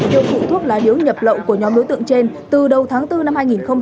tiêu thụ thuốc lá điếu nhập lậu của nhóm đối tượng trên từ đầu tháng bốn năm hai nghìn hai mươi